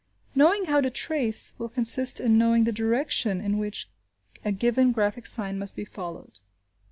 "Knowing how to trace " will consist in knowing the direction in which a given graphic sign must be followed.